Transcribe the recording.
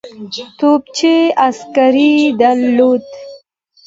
توپچي عسکر یې درلودل.